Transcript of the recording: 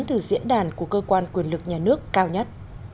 từ diễn đàn của cơ quan quyền lực nhà nước cao nhất